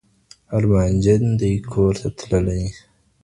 ارمانجن دي ګورته تللي